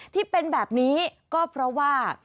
ที่เป็นแบบนี้ก็เพราะว่า